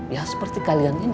ya seperti kalian ini